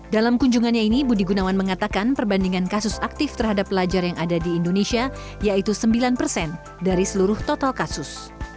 dalam kunjungannya ini budi gunawan mengatakan perbandingan kasus aktif terhadap pelajar yang ada di indonesia yaitu sembilan persen dari seluruh total kasus